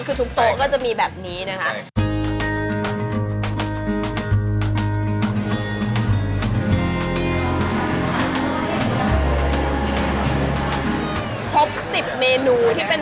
คือเวลาเราทานเสร็จแล้วก็